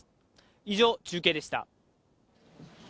以上、中継でした。